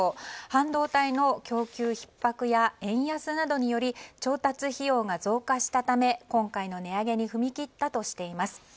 半導体の供給ひっ迫や円安などにより調達費用が増加したため今回の値上げに踏み切ったとしています。